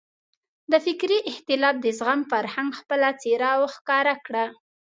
د فکري اختلاف د زغم فرهنګ خپله څېره وښکاره کړه.